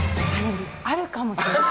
あるかもしれない。